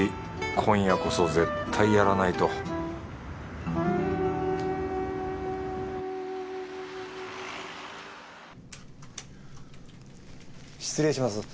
今夜こそ絶対やらないと失礼します。